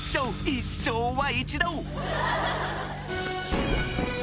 一生は一度！